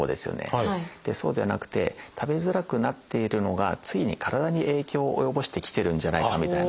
そうではなくて食べづらくなっているのがついに体に影響を及ぼしてきてるんじゃないかみたいな。